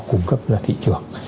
cung cấp ra thị trường